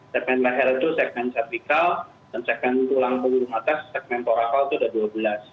segmen leher itu segmen cervical dan segmen tulang belum atas segmen thoracal itu ada dua belas